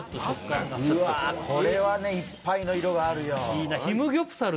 うわあこれはねいっぱいの色があるよ